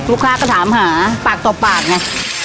ลูกค้าก็ถามหาปากต่อปากไง